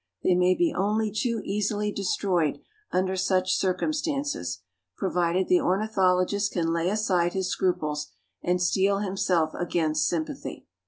They may be only too easily destroyed under such circumstances, provided the ornithologist can lay aside his scruples and steel himself against sympathy."